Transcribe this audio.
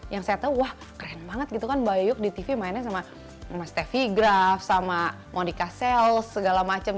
yang saya tahu wah keren banget gitu kan bayu di tv mainnya sama stefi graf sama monica sales segala macem